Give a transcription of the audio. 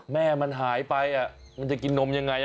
แม่มันหายไปมันจะกินนมยังไง